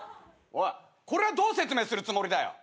これどう説明するつもりだよ。